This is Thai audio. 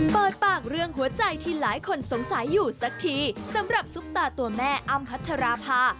เปิดปากเรื่องหัวใจที่หลายคนสงสัยอยู่สักทีสำหรับซุปตาตัวแม่อ้ำพัชราภา